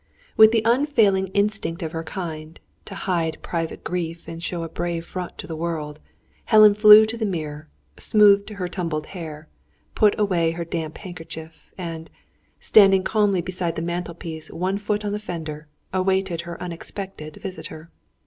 With the unfailing instinct of her kind, to hide private grief and show a brave front to the world, Helen flew to the mirror, smoothed her tumbled hair, put away her damp handkerchief; and, standing calmly beside the mantel piece, one foot on the fender, awaited her unexpected visitor.